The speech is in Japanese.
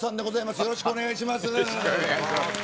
よろしくお願いします。